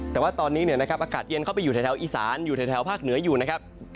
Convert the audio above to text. แต่ว่าตอนนี้อากาศเย็นเข้าไปอยู่แถวอีสานอยู่แถวภาคเหนืออยู่นะครับ